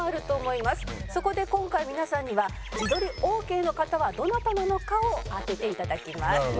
そこで今回皆さんには自撮りＯＫの方はどなたなのかを当てて頂きます。